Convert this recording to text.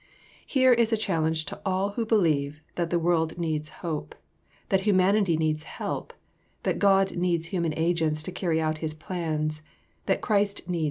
Here is a challenge to all who believe that the world needs hope, that humanity needs help, that God needs human agents to carry out His plans, that Christ needs the child!